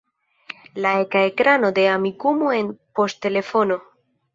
La eka ekrano de Amikumu en poŝtelefono.